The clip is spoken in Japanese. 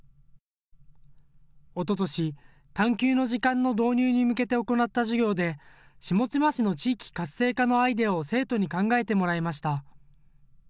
おととし、探究の時間の導入に向けて行った授業で下妻市の地域活性化のアイデアを生徒に考えてもらいました。